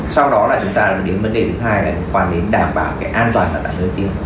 sau đó là chúng ta đến vấn đề thứ hai là đảm bảo cái an toàn của tạng nơi tiêm